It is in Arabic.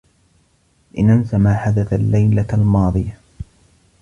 لننس ما حدث اللّيلة الماضية.